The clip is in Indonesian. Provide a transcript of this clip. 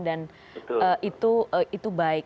dan itu baik